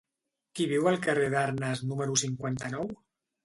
Qui viu al carrer d'Arnes número cinquanta-nou?